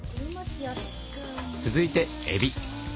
続いてえび。